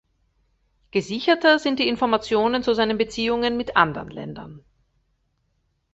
Gesicherter sind die Informationen zu seinen Beziehungen mit anderen Ländern.